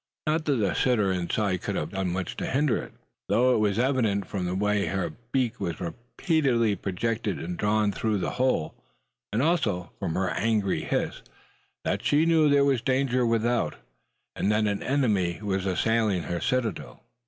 Not that the sitter inside could have done much to hinder it: though it was evident from the way in which her beak was repeatedly projected and drawn back through the hole, and also from her angry hissing, that she knew there was danger without, and that an enemy was assailing her citadel.